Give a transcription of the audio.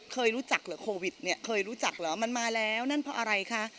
เคยรู้จักเหรอโควิดมันมาแล้วนั่นเพราะอะไรคะ